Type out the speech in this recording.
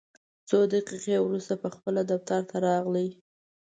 څو دقیقې وروسته پخپله دفتر ته راغی.